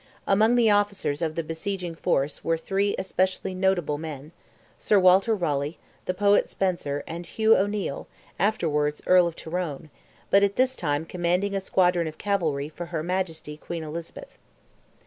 Among the officers of the besieging force were three especially notable men—Sir Walter Raleigh, the poet Spenser, and Hugh O'Neil, afterwards Earl of Tyrone, but at this time commanding a squadron of cavalry for her Majesty Queen Elizabeth.